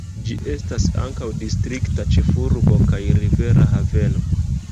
Ĝi estas ankaŭ distrikta ĉefurbo kaj rivera haveno.